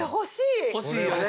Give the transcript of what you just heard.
欲しいよね。